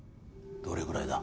どれぐらいだ？